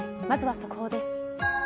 まずは速報です。